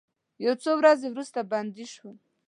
یو څو ورځې وروسته بندي شوم.